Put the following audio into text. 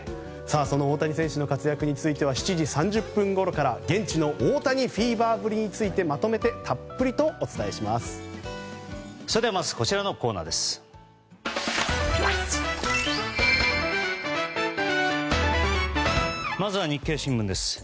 その大谷選手の活躍については７時３０分ごろから現地の大谷フィーバーぶりと共にこちらのコーナーです。